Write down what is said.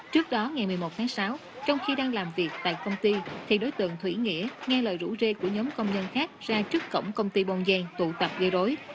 trước đó ngày một mươi một tháng sáu trong khi đang làm việc tại công ty thì đối tượng thủy nghĩa nghe lời rủ rê của nhóm công nhân khác ra trước cổng công ty bon giang tụ tập gây rối